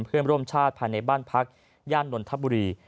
เพื่อนร่วมชาติภายในบ้านพักย่านนทบุรี